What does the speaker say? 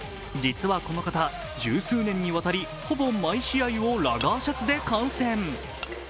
実はこの方、十数年にわたり、ほぼ毎試合をラガーシャツで観戦。